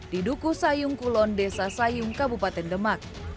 di duku sayung kulon desa sayung kabupaten demak